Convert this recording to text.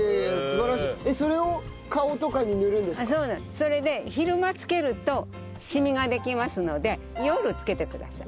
それで昼間つけるとシミができますので夜つけてください。